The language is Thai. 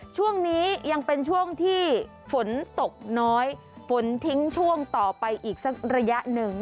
ช่วงนี้ยังเป็นช่วงที่ฝนตกน้อยฝนทิ้งช่วงต่อไปอีกสักระยะหนึ่ง